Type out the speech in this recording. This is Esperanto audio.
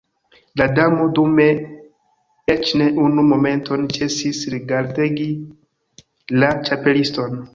La Damo dume eĉ ne unu momenton ĉesis rigardegi la Ĉapeliston.